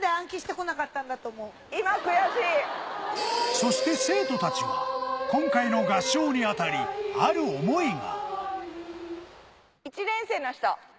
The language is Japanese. そして生徒たちは今回の合唱にあたりある想いが。